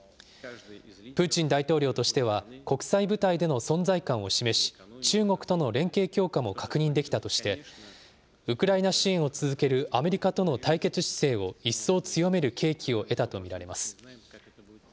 プーチン大統領としては、国際舞台での存在感を示し、中国との連携強化も確認できたとして、ウクライナ支援を続けるアメリカとの対決姿勢を一層強める契機を得たと見られます。